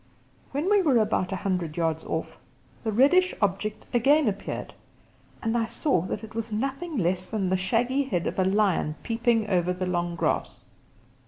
When we were about a hundred yards off, the reddish object again appeared; and I saw that it was nothing less than the shaggy head of a lion peeping over the long grass.